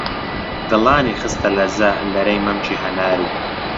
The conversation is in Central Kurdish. دڵانی خستە لەرزە، لەرەی مەمکی هەناری